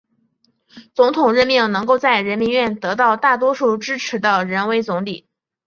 总统任命能够在人民院得到大多数支持的人为总理。